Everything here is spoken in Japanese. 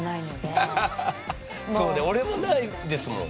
俺もないですもん。